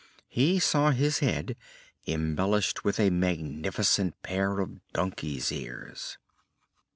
He saw his head embellished with a magnificent pair of donkey's ears!